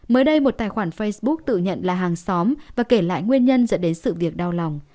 mới đây một tài khoản facebook tự nhận là hàng xóm và kể lại nguyên nhân dẫn đến sự việc đau lòng